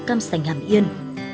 cam sành hàm yên